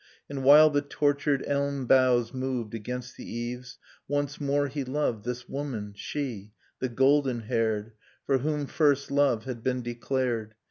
And while the tortured elm boughs moved Against the eaves, once more he loved This woman, she, the golden haired, For whom first love had been declared.